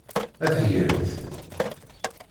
Ad t-gent.